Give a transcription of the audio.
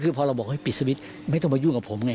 คือพอเราบอกให้ปิดสวิตช์ไม่ต้องมายุ่งกับผมไง